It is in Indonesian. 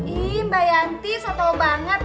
ih mbak yanti saya tau banget